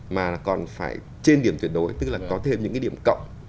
mà còn phải trên điểm tuyệt đối tức là có thêm những cái điểm cộng